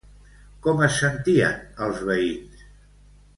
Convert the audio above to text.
Com es sentien els veïns?